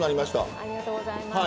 ありがとうございます。